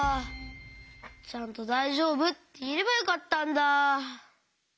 ちゃんと「だいじょうぶ？」っていえればよかったんだ。